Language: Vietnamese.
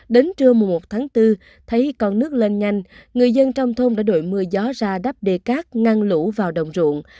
đến trưa một tháng bốn thấy con nước lên nhanh người dân trong thôn đã đổi mưa gió ra đắp đề cát ngăn lũ vào đồng ruộng